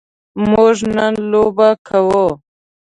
موږ نن لوبه کوو.